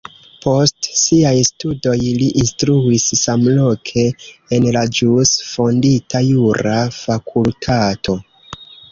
Post siaj studoj li instruis samloke en la ĵus fondita jura fakultato.